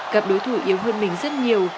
gặp đối thủ yếu hơn mình rất nhiều